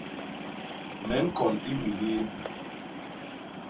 Me ñkon imilil.